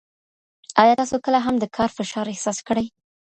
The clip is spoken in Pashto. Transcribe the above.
ایا تاسو کله هم د کار فشار احساس کړی؟